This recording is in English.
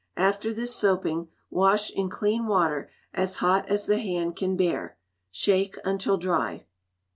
After this soaping, wash in clean water, as hot as the hand can bear. Shake until dry.